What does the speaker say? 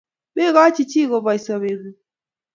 Megochi chi kobou sobeng'ung.